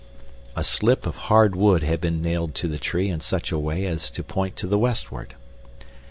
A slip of hard wood had been nailed to the tree in such a way as to point to the westward.